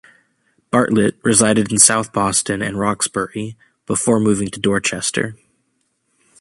Bartlett resided in South Boston and Roxbury before moving to Dorchester.